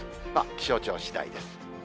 気象庁しだいです。